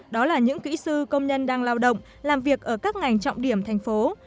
đó là những kỹ sư công nhân đang lao động làm việc ở các ngành trọng điểm tp hcm